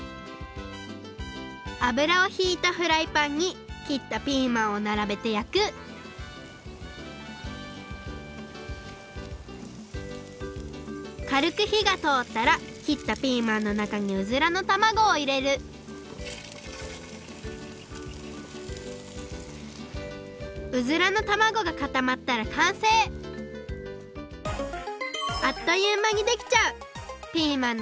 あぶらをひいたフライパンに切ったピーマンをならべてやくかるくひがとおったら切ったピーマンのなかにウズラのたまごをいれるウズラのたまごがかたまったらかんせいあっというまにできちゃう！